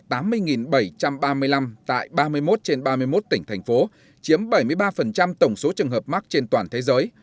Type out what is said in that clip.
tại ba mươi một trên ba mươi một tỉnh thành phố chiếm bảy mươi ba tổng số trường hợp mắc trên toàn thế giới